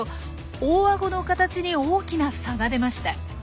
大アゴの形に大きな差が出ました。